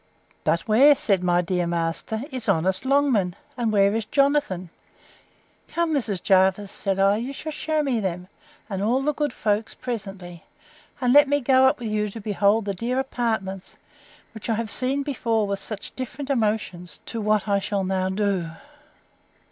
But where, said my dear master, is honest Longman? and where is Jonathan?—Come, Mrs. Jervis, said I, you shall shew me them, and all the good folks, presently; and let me go up with you to behold the dear apartments, which I have seen before with such different emotions to what I shall now do.